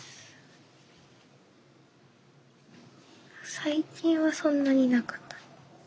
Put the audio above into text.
最近はそんなになかった。